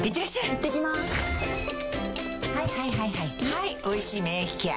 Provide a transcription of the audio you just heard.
はい「おいしい免疫ケア」